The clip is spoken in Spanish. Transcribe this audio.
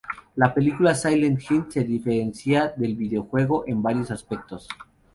La película "Silent Hill" se diferencia del videojuego en varios aspectos.